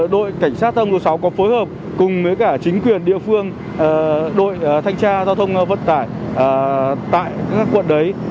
đội cảnh sát thông số sáu có phối hợp cùng với cả chính quyền địa phương đội thanh tra giao thông vận tải tại các quận đấy